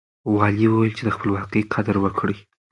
والي وويل چې د خپلواکۍ قدر وکړئ.